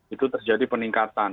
itu terjadi peningkatan